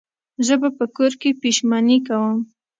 زه به په کور کې پیشمني کوم